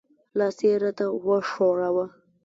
لاس یې را ته وښوراوه.